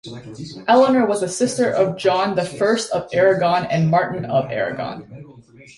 Eleanor was a sister of John the First of Aragon and Martin of Aragon.